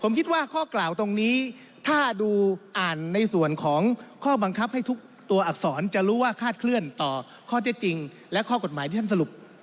ผมคิดว่าข้อกล่าวตรงนี้ถ้าดูอ่านในส่วนของข้อบังคับให้ทุกตัวอักษรจะรู้ว่าคาดเคลื่อนต่อข้อเท็จจริงและข้อกฎหมายที่ท่านสรุป